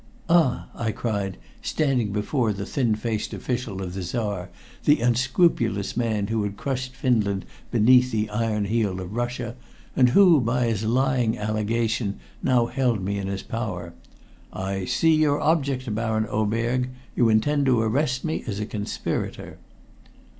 "Ah!" I cried, standing before the thin faced official of the Czar, the unscrupulous man who had crushed Finland beneath the iron heel of Russia, and who, by his lying allegation, now held me in his power. "I see your object, Baron Oberg! You intend to arrest me as a conspirator!"